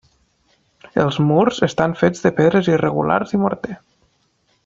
Els murs estan fets de pedres irregulars i morter.